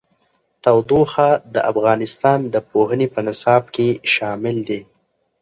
تودوخه د افغانستان د پوهنې په نصاب کې شامل دي.